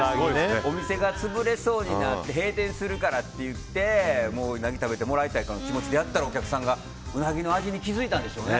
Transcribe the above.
お店が潰れそうになって閉店するからっていってウナギ食べてもらいたいって気持ちでやったらお客さんがウナギの味に気づいたんでしょうね。